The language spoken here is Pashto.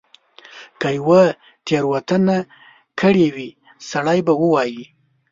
که یوه تیره وتنه کړې وي سړی به ووایي.